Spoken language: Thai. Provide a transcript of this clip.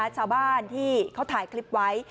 ชาวบ้านที่เขาถ่ายคลิปไว้